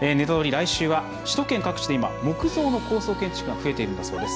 来週は首都圏各地で木造の高層建築が増えているんだそうです。